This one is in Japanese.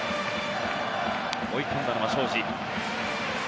追い込んだのは荘司。